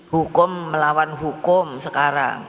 hukum melawan hukum sekarang